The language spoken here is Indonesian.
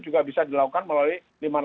juga bisa dilakukan melalui lima ratus